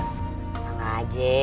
gak lah je